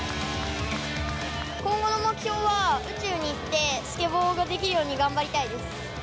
今後の目標は、宇宙に行って、スケボーができるように頑張りたいです。